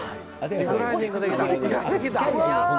リクライニングできた。